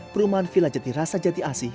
perumahan villa jati rasa jati asih